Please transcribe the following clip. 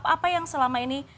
apa yang selama ini